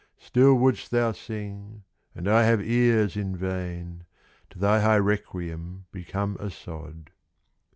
Still wouldst thou sing, and I have ears in vain To thy high requiem become a sod.